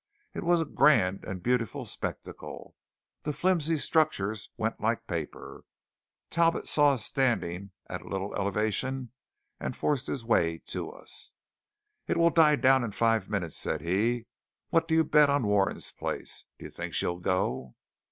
It was a grand and beautiful spectacle. The flimsy structures went like paper. Talbot saw us standing at a little elevation, and forced his way to us. "It will die down in five minutes," said he. "What do you bet on Warren's place? Do you think she'll go?"